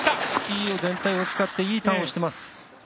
スキー全体を使っていいターンをしています。